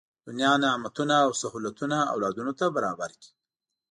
دنیا نعمتونه او سهولتونه اولادونو ته برابر کړي.